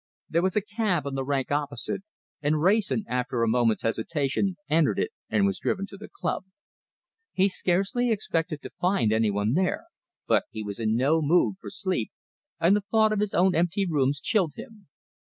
There was a cab on the rank opposite, and Wrayson, after a moment's hesitation, entered it and was driven to the club. He scarcely expected to find any one there, but he was in no mood for sleep, and the thought of his own empty rooms chilled him.